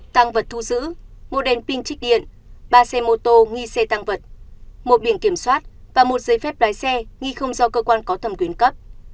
tăng vật thu giữ một đèn pin trích điện ba xe mô tô nghi xe tăng vật một biển kiểm soát và một giấy phép lái xe nghi không do cơ quan có thẩm quyền cấp